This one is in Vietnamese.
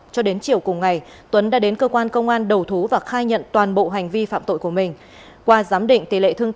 cho đến chiều cùng ngày tuấn đã đến cơ quan công an đầu thú và khai nhận toàn bộ hành vi phạm tội của mình